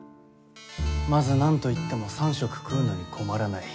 まず、なんと言っても三食食うのに困らない。